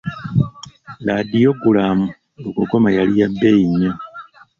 Ladiyogulamu lugogoma yali ya bbeeyi nnyo.